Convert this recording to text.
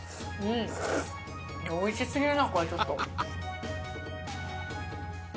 美味しすぎるなこれちょっと。